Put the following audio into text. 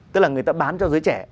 tức là người ta bán cho giới trẻ